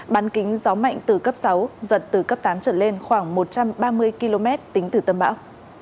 bán kính gió mạnh từ cấp sáu giật từ cấp tám trở lên khoảng một trăm ba mươi km tính từ tâm bão